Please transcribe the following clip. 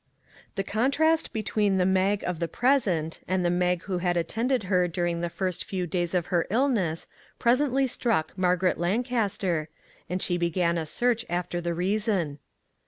The contrast between the Mag of the present and the Mag who had attended her during the first few days of her illness, presently struck Margaret Lancaster, and she began a search after the reason.